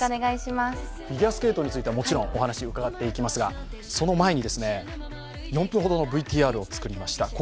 フィギュアスケートについてはもちろんお話を伺っていきますがその前に、４分ほどのＶＴＲを作りました。